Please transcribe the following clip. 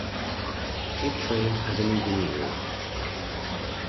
He trained as an engineer.